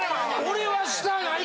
俺はしたない！